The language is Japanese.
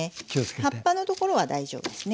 葉っぱのところは大丈夫ですね。